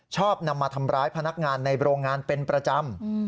ชอบนำมาทำร้ายพนักงานในโรงงานเป็นประจำ